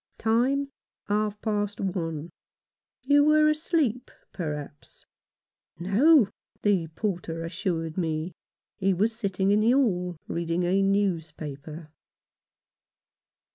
Time, half past one. " You were asleep, perhaps ?"" No !" the porter assured me — he was sitting in the hall reading a newspaper.